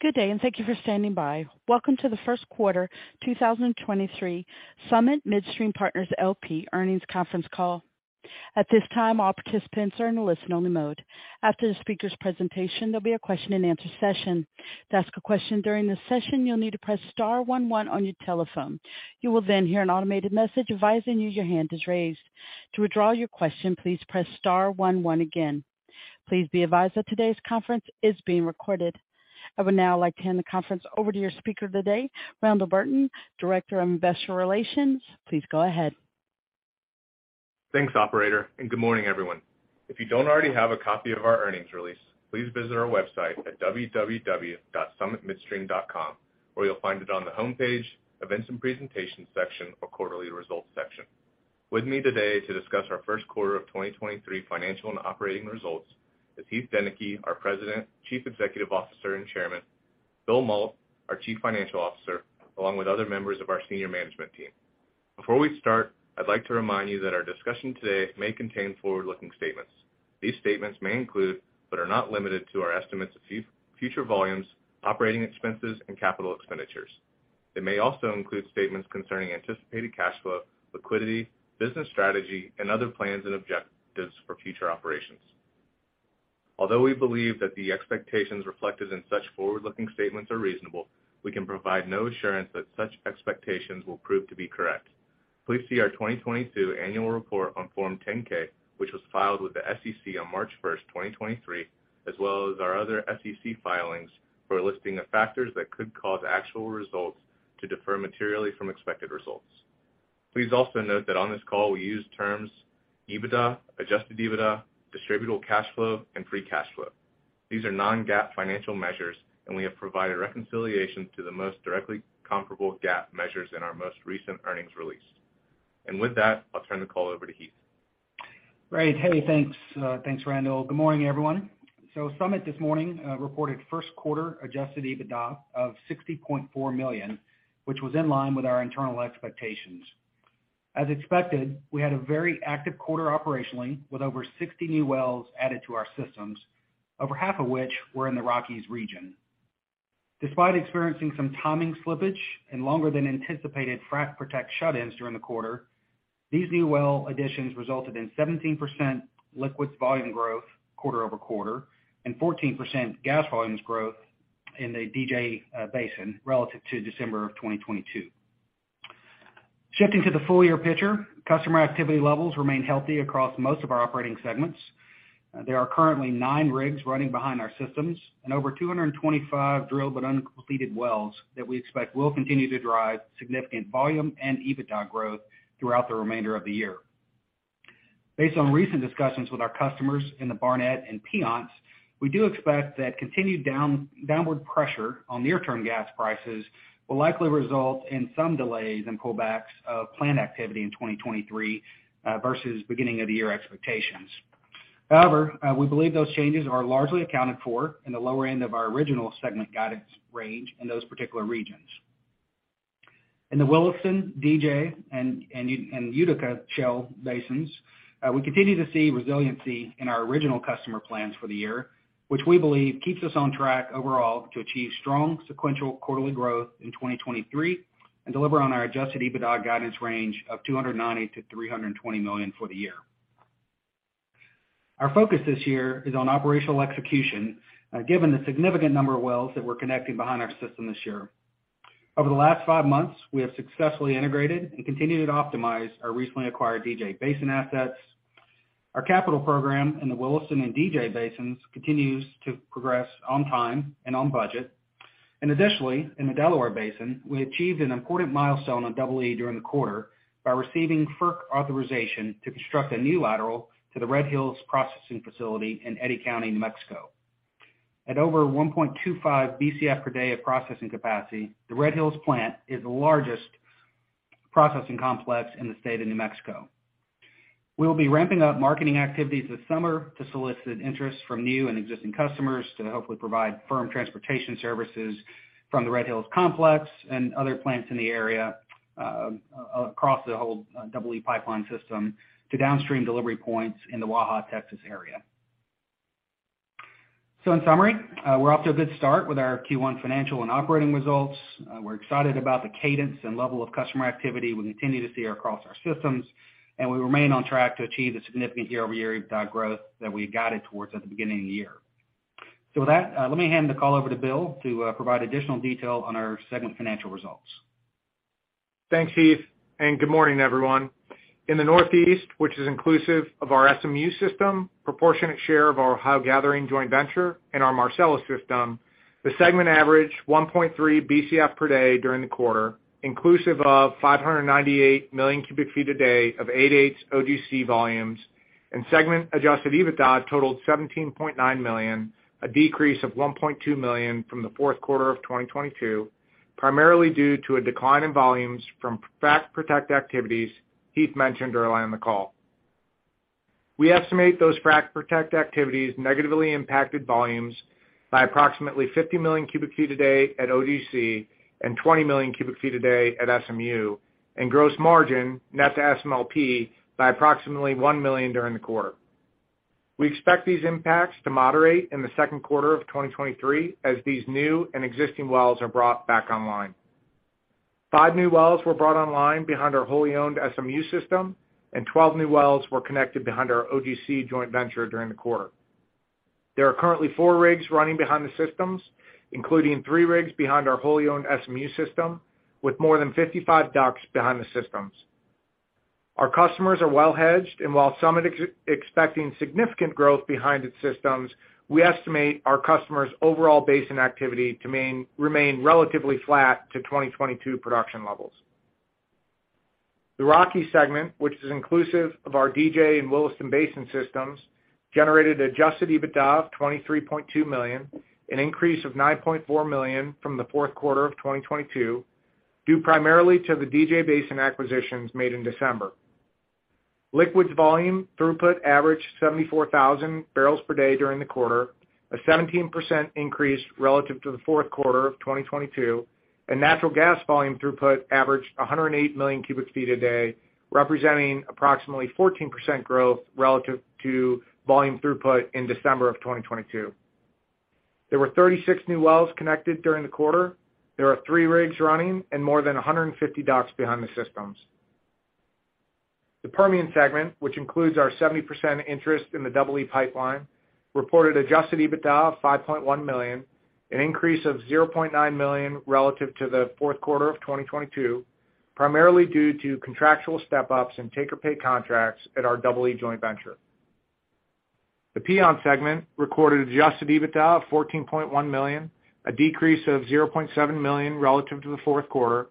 Good day, and thank you for standing by. Welcome to the first quarter 2023 Summit Midstream Partners, LP Earnings Conference Call. At this time, all participants are in a listen-only mode. After the speaker's presentation, there'll be a question-and-answer session. To ask a question during this session, you'll need to press star one one on your telephone. You will then hear an automated message advising you your hand is raised. To withdraw your question, please press star one one again. Please be advised that today's conference is being recorded. I would now like to hand the conference over to your speaker today, Randall Burton, Director of Investor Relations. Please go ahead. Thanks, operator. Good morning, everyone. If you don't already have a copy of our earnings release, please visit our website at www.summitmidstream.com, where you'll find it on the homepage, Events and Presentations section or Quarterly Results section. With me today to discuss our first quarter of 2023 financial and operating results is Heath Deneke, our President, Chief Executive Officer, and Chairman, Bill Mault, our Chief Financial Officer, along with other members of our senior management team. Before we start, I'd like to remind you that our discussion today may contain forward-looking statements. These statements may include, but are not limited to, our estimates of future volumes, operating expenses, and capital expenditures. It may also include statements concerning anticipated cash flow, liquidity, business strategy, and other plans and objectives for future operations. Although we believe that the expectations reflected in such forward-looking statements are reasonable, we can provide no assurance that such expectations will prove to be correct. Please see our 2022 annual report on Form 10-K, which was filed with the SEC on March 1, 2023, as well as our other SEC filings for a listing of factors that could cause actual results to defer materially from expected results. Please also note that on this call we use terms EBITDA, Adjusted EBITDA, distributable cash flow, and free cash flow. These are non-GAAP financial measures, and we have provided reconciliation to the most directly comparable GAAP measures in our most recent earnings release. With that, I'll turn the call over to Heath. Great. Hey, thanks. Thanks, Randall. Good morning, everyone. Summit this morning reported first quarter Adjusted EBITDA of $60.4 million, which was in line with our internal expectations. As expected, we had a very active quarter operationally, with over 60 new wells added to our systems, over half of which were in the Rockies region. Despite experiencing some timing slippage and longer than anticipated frac protect shut-ins during the quarter, these new well additions resulted in 17% liquids volume growth quarter-over-quarter and 14% gas volumes growth in the DJ Basin relative to December of 2022. Shifting to the full year picture, customer activity levels remain healthy across most of our operating segments. There are currently nine rigs running behind our systems and over 225 drilled but uncompleted wells that we expect will continue to drive significant volume and EBITDA growth throughout the remainder of the year. Based on recent discussions with our customers in the Barnett and Piceance, we do expect that continued downward pressure on near-term gas prices will likely result in some delays and pullbacks of plant activity in 2023 versus beginning of the year expectations. We believe those changes are largely accounted for in the lower end of our original segment guidance range in those particular regions. In the Williston, DJ, and Utica Shale Basins, we continue to see resiliency in our original customer plans for the year, which we believe keeps us on track overall to achieve strong sequential quarterly growth in 2023 and deliver on our Adjusted EBITDA guidance range of $290 million-$320 million for the year. Our focus this year is on operational execution, given the significant number of wells that we're connecting behind our system this year. Over the last five months, we have successfully integrated and continued to optimize our recently acquired DJ Basin assets. Our capital program in the Williston and DJ Basins continues to progress on time and on budget. Additionally, in the Delaware Basin, we achieved an important milestone on Double E during the quarter by receiving FERC authorization to construct a new lateral to the Red Hills processing facility in Eddy County, New Mexico. At over 1.25 BCF per day of processing capacity, the Red Hills plant is the largest processing complex in the state of New Mexico. We'll be ramping up marketing activities this summer to solicit interest from new and existing customers to hopefully provide firm transportation services from the Red Hills complex and other plants in the area, across the whole Double E pipeline system to downstream delivery points in the Waha, Texas area. In summary, we're off to a good start with our Q1 financial and operating results. We're excited about the cadence and level of customer activity we continue to see across our systems, we remain on track to achieve the significant year-over-year EBITDA growth that we guided towards at the beginning of the year. With that, let me hand the call over to Bill to provide additional detail on our segment financial results. Thanks, Heath, and good morning, everyone. In the Northeast, which is inclusive of our SMU system, proportionate share of our Ohio Gathering joint venture and our Marcellus system, the segment averaged 1.3 BCF per day during the quarter, inclusive of 598 million cubic feet a day of OGC volumes and segment Adjusted EBITDA totaled $17.9 million, a decrease of $1.2 million from the fourth quarter of 2022, primarily due to a decline in volumes from frac protect activities Heath mentioned early on in the call. We estimate those frac protect activities negatively impacted volumes by approximately 50 million cubic feet a day at OGC and 20 million cubic feet a day at SMU, and gross margin net to SMLP by approximately $1 million during the quarter. We expect these impacts to moderate in the second quarter of 2023 as these new and existing wells are brought back online. Five new wells were brought online behind our wholly owned SMU system, and 12 new wells were connected behind our OGC joint venture during the quarter. There are currently four rigs running behind the systems, including three rigs behind our wholly owned SMU system, with more than 55 DUCs behind the systems. Our customers are well hedged, and while some are expecting significant growth behind its systems, we estimate our customers' overall basin activity to remain relatively flat to 2022 production levels. The Rockies segment, which is inclusive of our DJ and Williston Basin systems, generated Adjusted EBITDA of $23.2 million, an increase of $9.4 million from the fourth quarter of 2022, due primarily to the DJ Basin acquisitions made in December. Liquids volume throughput averaged 74,000 barrels per day during the quarter, a 17% increase relative to the fourth quarter of 2022, and natural gas volume throughput averaged 108 million cubic feet a day, representing approximately 14% growth relative to volume throughput in December of 2022. There were 36 new wells connected during the quarter. There are three rigs running and more than 150 DUCs behind the systems. The Permian segment, which includes our 70% interest in the Double E Pipeline, reported Adjusted EBITDA of $5.1 million, an increase of $0.9 million relative to the fourth quarter of 2022, primarily due to contractual step ups and take-or-pay contracts at our Double E joint venture. The Piceance segment recorded Adjusted EBITDA of $14.1 million, a decrease of $0.7 million relative to the fourth quarter.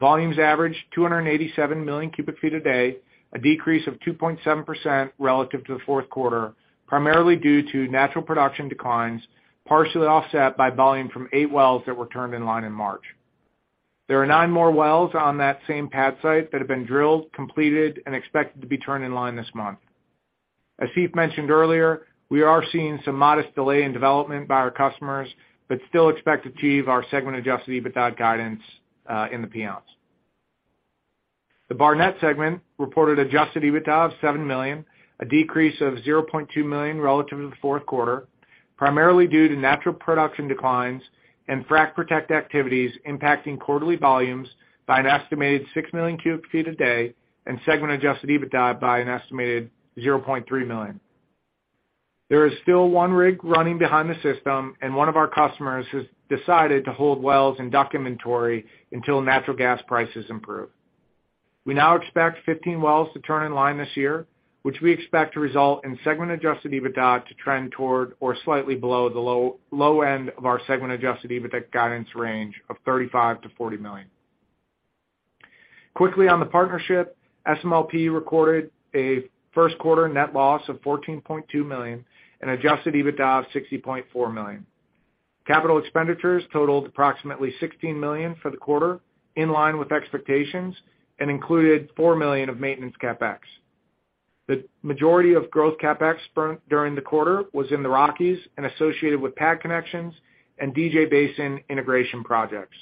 Volumes averaged 287 million cubic feet a day, a decrease of 2.7% relative to the fourth quarter, primarily due to natural production declines, partially offset by volume from eight wells that were turned in line in March. There are nine more wells on that same pad site that have been drilled, completed, and expected to be turned in line this month. As Heath mentioned earlier, we are seeing some modest delay in development by our customers, still expect to achieve our segment Adjusted EBITDA guidance in the Piceance. The Barnett segment reported Adjusted EBITDA of $7 million, a decrease of $0.2 million relative to the fourth quarter, primarily due to natural production declines and frac protect activities impacting quarterly volumes by an estimated 6 million cubic feet a day and segment Adjusted EBITDA by an estimated $0.3 million. There is still one rig running behind the system and one of our customers has decided to hold wells and dock inventory until natural gas prices improve. We now expect 15 wells to turn in line this year, which we expect to result in segment Adjusted EBITDA to trend toward or slightly below the low, low end of our segment Adjusted EBITDA guidance range of $35 million-$40 million. Quickly on the partnership, SMLP recorded a first quarter net loss of $14.2 million and Adjusted EBITDA of $60.4 million. Capital expenditures totaled approximately $16 million for the quarter, in line with expectations, and included $4 million of maintenance CapEx. The majority of growth CapEx burnt during the quarter was in the Rockies and associated with pad connections and DJ Basin integration projects.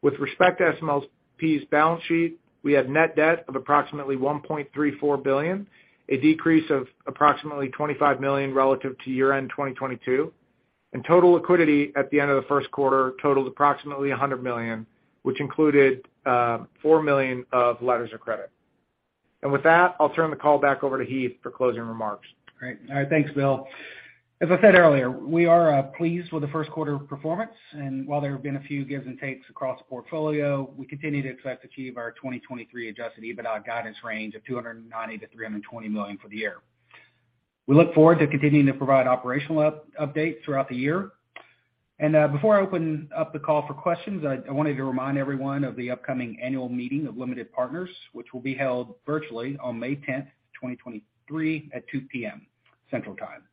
With respect to SMLP's balance sheet, we had net debt of approximately $1.34 billion, a decrease of approximately $25 million relative to year-end 2022. Total liquidity at the end of the first quarter totaled approximately $100 million, which included $4 million of letters of credit. With that, I'll turn the call back over to Heath for closing remarks. Great. All right, thanks, Bill. As I said earlier, we are pleased with the first quarter performance. While there have been a few gives and takes across the portfolio, we continue to expect to achieve our 2023 Adjusted EBITDA guidance range of $290 million-$320 million for the year. We look forward to continuing to provide operational update throughout the year. Before I open up the call for questions, I wanted to remind everyone of the upcoming annual meeting of limited partners, which will be held virtually on May 10, 2023 at 2:00 P.M. Central Time.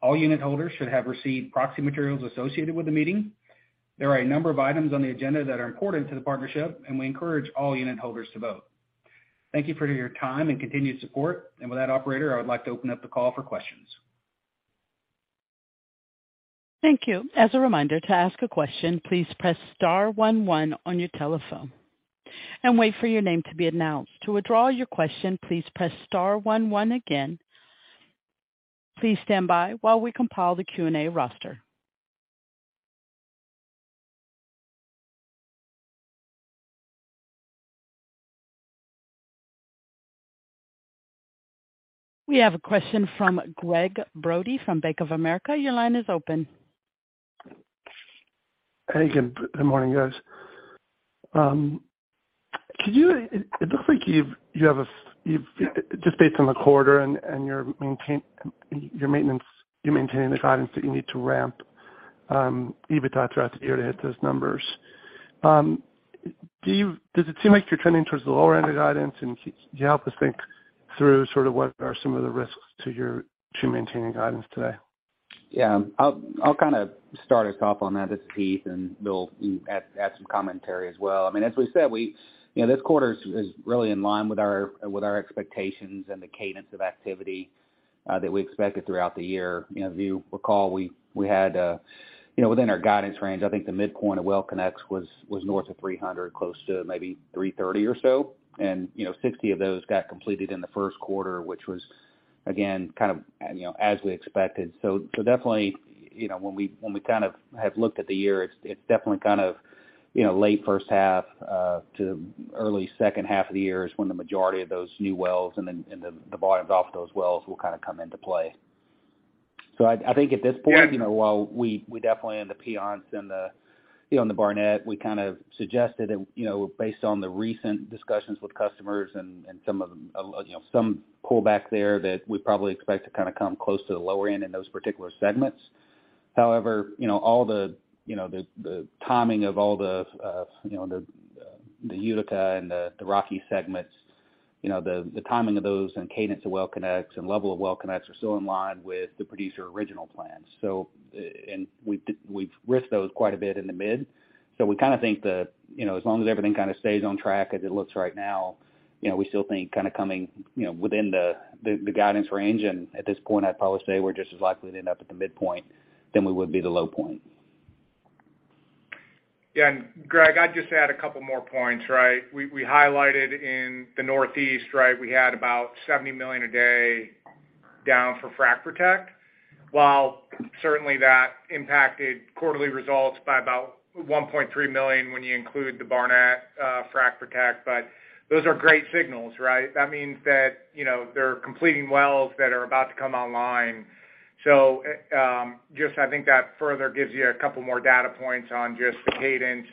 All unit holders should have received proxy materials associated with the meeting. There are a number of items on the agenda that are important to the partnership, and we encourage all unit holders to vote. Thank you for your time and continued support. With that operator, I would like to open up the call for questions. Thank you. As a reminder to ask a question, please press star one one on your telephone and wait for your name to be announced. To withdraw your question, please press star one one again. Please stand by while we compile the Q&A roster. We have a question from Gregg Brody from Bank of America. Your line is open. Good morning, guys. It looks like you've Just based on the quarter and your maintenance, you're maintaining the guidance that you need to ramp EBITDA throughout the year to hit those numbers. Does it seem like you're trending towards the lower end of the guidance? Can you help us think through sort of what are some of the risks to maintaining guidance today? Yeah. I'll kind of start us off on that. It's Heath, and Bill, you can add some commentary as well. I mean, as we said, we, you know, this quarter is really in line with our, with our expectations and the cadence of activity that we expected throughout the year. You know, if you recall, we had, you know, within our guidance range, I think the midpoint of well connects was north of 300, close to maybe 330 or so. You know, 60 of those got completed in the first quarter, which was, again, kind of, you know, as we expected. Definitely, you know, when we kind of have looked at the year, it's definitely kind of, you know, late first half to early second half of the year is when the majority of those new wells and the volumes off those wells will kind of come into play. I think at this point, you know, while we definitely in the Piceance and the, you know, in the Barnett, we kind of suggested that, you know, based on the recent discussions with customers and some of them, you know, some pullback there that we probably expect to kind of come close to the lower end in those particular segments. You know, all the, you know, the timing of all the of, you know, the Utica and the Rocky segments, you know, the timing of those and cadence of well connects and level of well connects are still in line with the producer original plans. And we've risked those quite a bit in the mid. We kinda think the, you know, as long as everything kinda stays on track as it looks right now, you know, we still think kinda coming, you know, within the guidance range. At this point, I'd probably say we're just as likely to end up at the midpoint than we would be the low point. Yeah. Gregg, I'd just add a couple more points, right? We highlighted in the Northeast, right? We had about 70 million a day down for frac protect. While certainly that impacted quarterly results by about $1.3 million when you include the Barnett, frac protect. Those are great signals, right? That means that, you know, they're completing wells that are about to come online. Just I think that further gives you a couple more data points on just the cadence.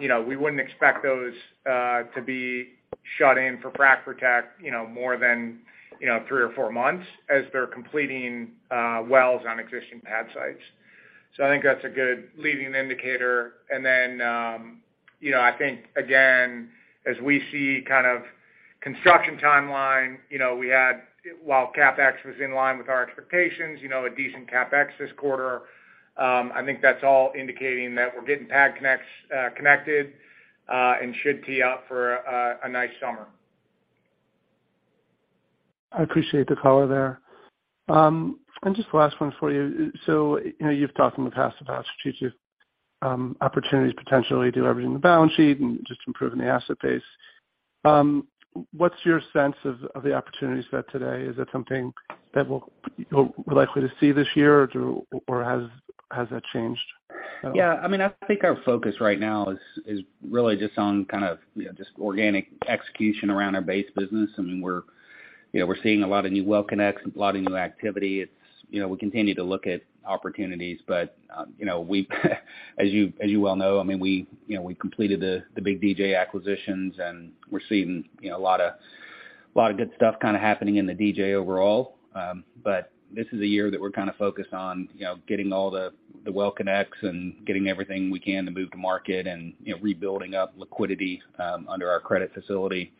You know, we wouldn't expect those to be shut in for frac protect, you know, more than, you know, three or four months as they're completing wells on existing pad sites. I think that's a good leading indicator. you know, I think again, as we see kind of construction timeline, you know, we had, while CapEx was in line with our expectations, you know, a decent CapEx this quarter, I think that's all indicating that we're getting pad connects connected and should tee up for a nice summer. I appreciate the color there. Just last one for you. You know, you've talked in the past about strategic opportunities, potentially de-leveraging the balance sheet and just improving the asset base. What's your sense of the opportunities there today? Is that something that we're likely to see this year, or has that changed? Yeah. I mean, I think our focus right now is really just on kind of, you know, just organic execution around our base business. I mean, we're, you know, we're seeing a lot of new well connects, a lot of new activity. It's, you know, we continue to look at opportunities. You know, we as you, as you well know, I mean, we, you know, we completed the big DJ acquisitions, and we're seeing, you know, a lot of, lot of good stuff kind of happening in the DJ overall. This is a year that we're kind of focused on, you know, getting all the well connects and getting everything we can to move to market and, you know, rebuilding up liquidity under our credit facility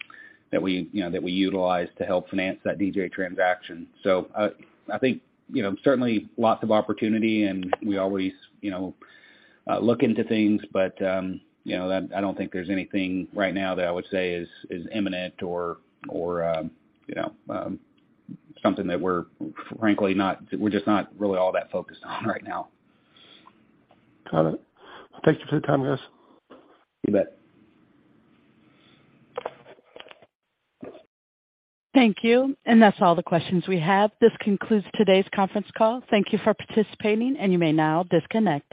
that we, you know, that we utilized to help finance that DJ transaction. I think, certainly lots of opportunity, and we always look into things. I don't think there's anything right now that I would say is imminent or something that we're frankly not, we're just not really all that focused on right now. Got it. Thank you for the time, guys. You bet. Thank you. That's all the questions we have. This concludes today's conference call. Thank you for participating. You may now disconnect.